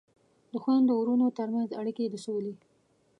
د خویندو ورونو ترمنځ اړیکې د سولې